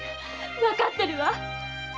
わかってるわ！